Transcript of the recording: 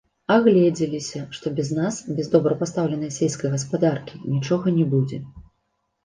Агледзеліся, што без нас, без добра пастаўленай сельскай гаспадаркі, нічога не будзе.